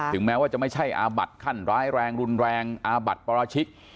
แม้ว่าจะไม่ใช่อาบัติขั้นร้ายแรงรุนแรงอาบัติปราชิก